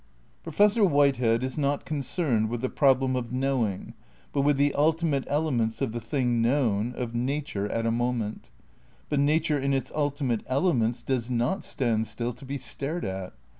Professor Whitehead ^ is not concerned with the problem of knowing but with the ultimate elements of the thing known, of '' nature at a moment. '' But nature in its ultimate elements does not stand still to be stared at.